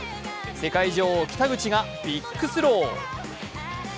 世界女王・北口がビッグスロー。